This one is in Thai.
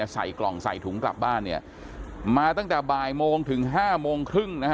ใส่กล่องใส่ถุงกลับบ้านเนี่ยมาตั้งแต่บ่ายโมงถึงห้าโมงครึ่งนะฮะ